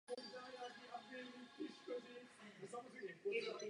Na kurtu také probíhají zápasy Velké Británie v Davisově poháru.